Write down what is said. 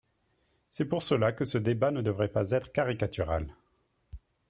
C’est pour cela que ce débat ne devrait pas être caricatural.